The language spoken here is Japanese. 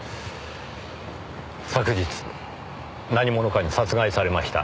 昨日何者かに殺害されました。